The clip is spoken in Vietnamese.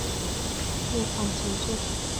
Điều khoản sử dụng